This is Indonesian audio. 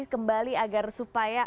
kembali agar supaya